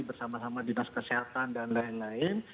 bersama sama dinas kesehatan dan lain lain